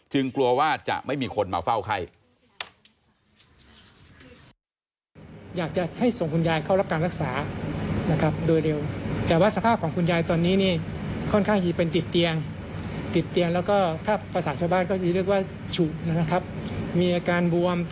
กลัวว่าจะไม่มีคนมาเฝ้าไข้